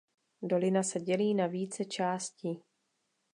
Dolina se dělí na více částí.